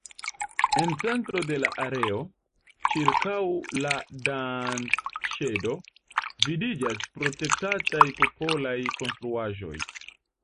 En centro de la areo, ĉirkaŭ la"Dancŝedo" vidiĝas protektataj popolaj konstruaĵoj.